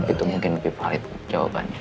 itu mungkin lebih valid jawabannya